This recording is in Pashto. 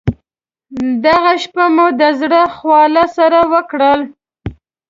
دغه شپه مو د زړه خواله سره وکړل.